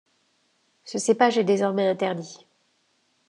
Ce cépage est désormais interdit.